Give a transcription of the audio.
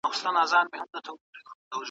ارزیابي د هر کار کیفیت لوړوي.